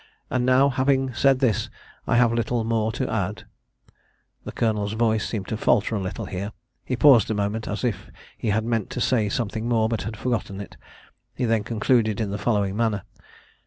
And now, having said this, I have little more to add " [The colonel's voice seemed to falter a little here he paused a moment, as if he had meant to say something more, but had forgotten it. He then concluded in the following manner.